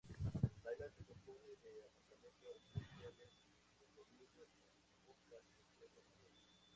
La isla se compone de apartamentos residenciales, condominios con pocas empresas mayores.